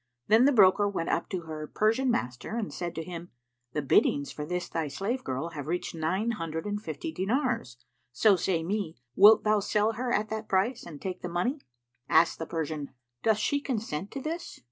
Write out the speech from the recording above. Then the broker went up to her Persian master and said to him, "The biddings for this thy slave girl have reached nine hundred and fifty dinars: so say me, wilt thou sell her at that price and take the money?" Asked the Persian, "Doth she consent to this?